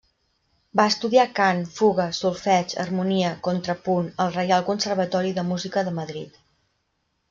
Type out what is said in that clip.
Va estudiar cant, fuga, solfeig, harmonia, contrapunt al Real Conservatori de Música de Madrid.